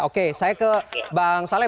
oke saya ke bang saleh